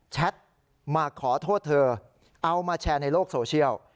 แท็ตมาขอโทษเธอเอามาแชร์ในโลกโซเชียล